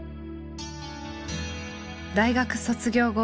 大学卒業後